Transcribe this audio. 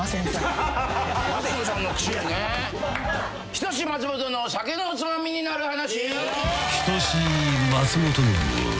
『人志松本の酒のツマミになる話』